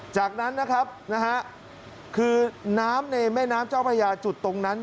จากนั้นนะครับคือน้ำในแม่น้ำเจ้าพระยาจุดตรงนั้น